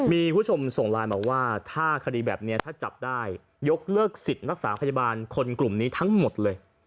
มีผู้ชมส่งไลน์มาว่าถ้าคดีแบบนี้ถ้าจับได้ยกเลิกสิทธิ์รักษาพยาบาลคนกลุ่มนี้ทั้งหมดเลย